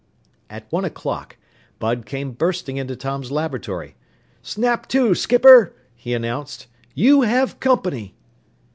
At one o'clock Bud came bursting into Tom's laboratory. "Snap to, skipper!" he announced. "You have company!"